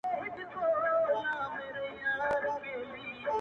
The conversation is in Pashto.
سترګو ژړلي دي ژړلي دي سلګۍ نه لري -